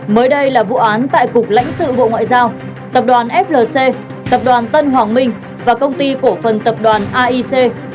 mới đây là vụ án tại cục lãnh sự bộ ngoại giao tập đoàn flc tập đoàn tân hoàng minh và công ty cổ phần tập đoàn aic